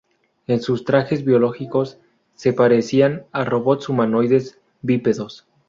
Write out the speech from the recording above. En sus trajes biológicos, se parecían a robots humanoides, bípedos.